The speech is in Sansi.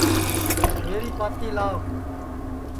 میری پاتی لاو